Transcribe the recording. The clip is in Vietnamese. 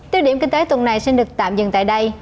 tiêu điểm kinh tế tuần này xin được tạm dừng tại đây